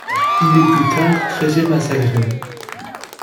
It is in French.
Il est plus tard treizième à Zagreb.